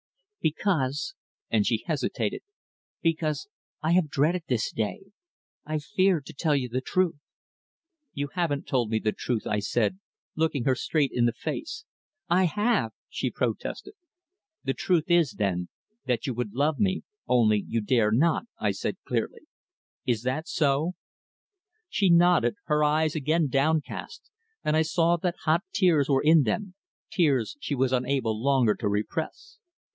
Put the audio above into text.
"Why?" "Because," and she hesitated. "Because I have dreaded this day. I feared to tell you the truth." "You haven't told me the truth," I said, looking her straight in the face. "I have," she protested. "The truth is, then, that you would love me, only you dare not," I said clearly. "Is that so?" She nodded, her eyes again downcast, and I saw that hot tears were in them tears she was unable longer to repress.